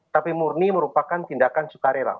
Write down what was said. tapi murni merupakan tindakan sukarela